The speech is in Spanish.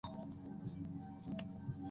Paco entonces, pasa a reemplazar a Cartman.